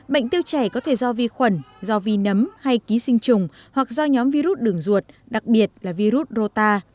bệnh tiêu chảy có thể do vi khuẩn do vi nấm hay ký sinh trùng hoặc do nhóm virus đường ruột đặc biệt là virus rota